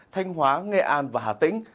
thanh hóa nghệ an và hà tĩnh